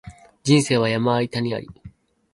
人生は山あり谷あり